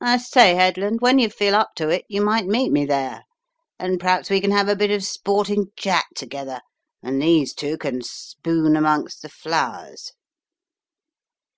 I say, Headland, when you feel up to it, you might meet me there, and perhaps we can have a bit of sporting chat together and these two can spoon amongst the flowers."